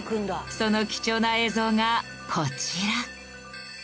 その貴重な映像がこちら。